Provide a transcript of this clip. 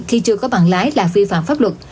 khi chưa có bằng lái là vi phạm pháp luật